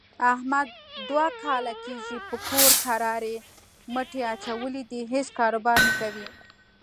احمد دوه کاله کېږي په کور کرارې مټې اچولې دي، هېڅ کاروبار نه کوي.